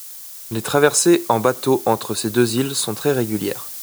Les traversées en bateau entre ces deux îles sont très régulières.